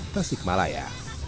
dan pasir kemalaya